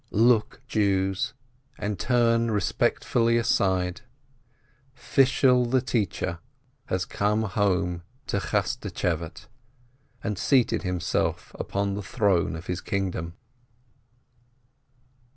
Look, Jews, and turn respectfully aside! Fishel the teacher has come home to Chaschtschevate, and seated himself upon the throne of his kingdom